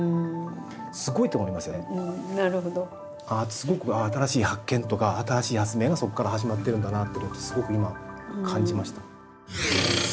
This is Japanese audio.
すごく新しい発見とか新しい発明がそこから始まってるんだなってことをすごく今感じました。